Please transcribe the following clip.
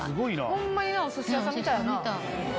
ホンマになお寿司屋さんみたいやな。